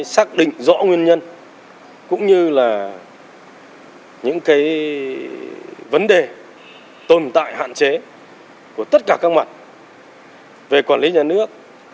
xác định rõ nguyên nhân cũng như là những vấn đề tồn tại hạn chế của tất cả các mặt về quản lý nhà nước